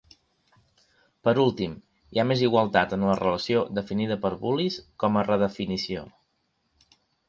Per últim, hi ha més igualtat en la relació, definida per Bullis com a redefinició.